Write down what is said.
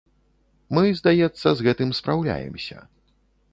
Мы, здаецца, з гэтым спраўляемся.